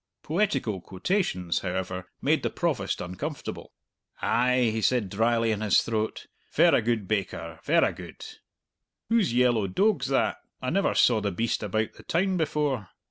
'" Poetical quotations, however, made the Provost uncomfortable. "Ay," he said dryly in his throat; "verra good, baker, verra good! Who's yellow doag's that? I never saw the beast about the town before!"